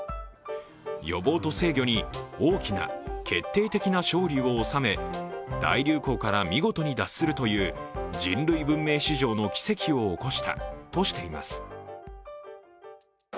予防と制御に大きな決定的な勝利を収め大流行から見事に脱するという人類文明史上の奇跡を起こしたとしています。